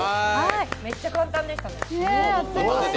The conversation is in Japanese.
めっちゃ簡単でしたね。